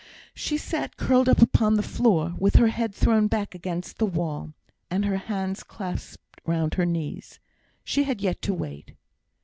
She sat curled up upon the floor, with her head thrown back against the wall, and her hands clasped round her knees. She had yet to wait.